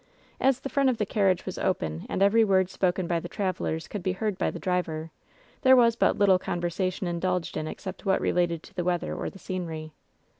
As the front of the carriage was open, and every word spoken by the travelers could be heard by the driver, there was but little conversation indulged in except what related to the weather or the scenery.